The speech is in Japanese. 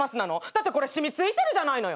だってこれ染み付いてるじゃないのよ！